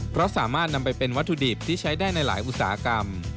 เพราะสามารถนำไปเป็นวัตถุดิบที่ใช้ได้ในหลายอุตสาหกรรม